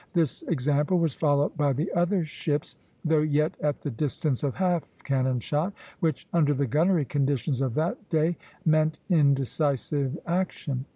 This example was followed by the other ships, though yet at the distance of half cannon shot, which, under the gunnery conditions of that day, meant indecisive action.